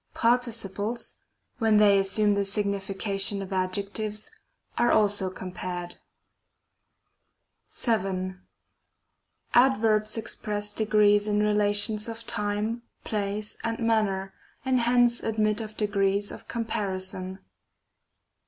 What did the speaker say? Participles, when they assume the signification of adjectives, are also compared. Y. Adverbs express degrees in relations of time, place, and manner, and hence admit of degrees of com parison.